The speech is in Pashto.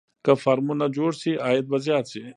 که فارمونه جوړ شي عاید به زیات شي.